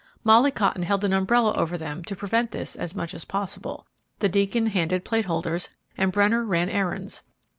Molly Cotton held an umbrella over them to prevent this as much as possible; the Deacon handed plate holders, and Brenner ran errands.